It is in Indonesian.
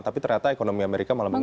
tapi ternyata ekonomi amerika malah menurun